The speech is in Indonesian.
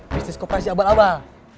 bisnis koperasi abal abal